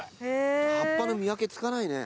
葉っぱの見分けつかないね。